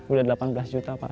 sudah delapan belas juta pak